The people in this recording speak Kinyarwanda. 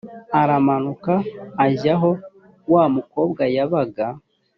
aramanuka ajya aho wa mukobwa yabaga